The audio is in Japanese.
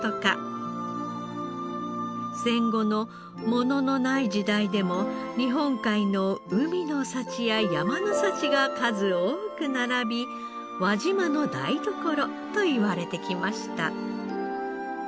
戦後の物のない時代でも日本海の海の幸や山の幸が数多く並び「輪島の台所」といわれてきました。